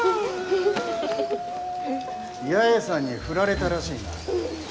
八重さんに振られたらしいな。